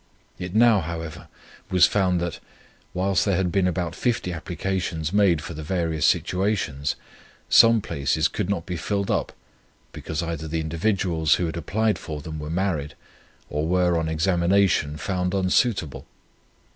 It now, however, was found that, whilst there had been about 50 applications made for the various situations, some places could not be filled up, because either the individuals, who had applied for them, were married, or were, on examination, found unsuitable.